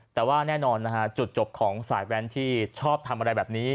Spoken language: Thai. แต่ว่าแน่นอนนะฮะจุดจบของสายแว้นที่ชอบทำอะไรแบบนี้